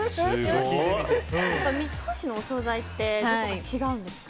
三越のお総菜って違うんですか？